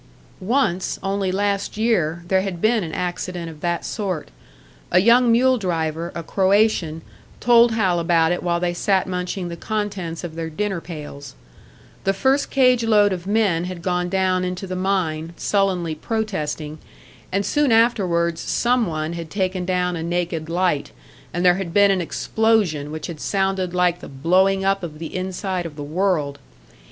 Once, only last year, there had been an accident of that sort. A young mule driver, a Croatian, told Hal about it while they sat munching the contents of their dinner pails. The first cage load of men had gone down into the mine, sullenly protesting; and soon afterwards some one had taken down a naked light, and there had been an explosion which had sounded like the blowing up of the inside of the world.